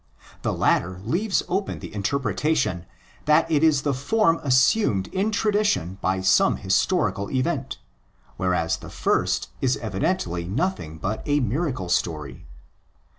The latter leaves open the interpretation that it is the form assumed in tradition by some historical event ;? whereas the first is evidently nothing but a miracle story.